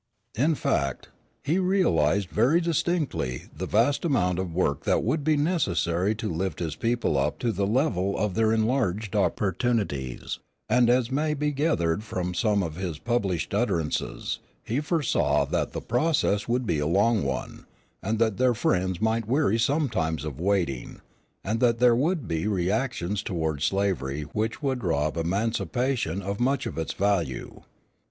In fact, he realized very distinctly the vast amount of work that would be necessary to lift his people up to the level of their enlarged opportunities; and, as may be gathered from some of his published utterances, he foresaw that the process would be a long one, and that their friends might weary sometimes of waiting, and that there would be reactions toward slavery which would rob emancipation of much of its value.